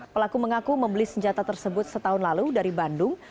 pelaku mengaku membeli senjata tersebut setahun lalu dari bandung